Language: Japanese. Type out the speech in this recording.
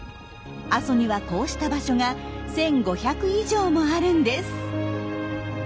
阿蘇にはこうした場所が１，５００以上もあるんです。